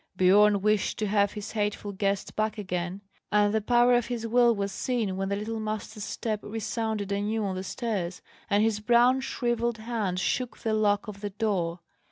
Biorn wished to have his hateful guest back again; and the power of his will was seen when the little Master's step resounded anew on the stairs, and his brown shrivelled hand shook the lock of the door.